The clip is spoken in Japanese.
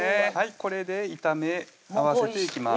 これで炒め合わせていきます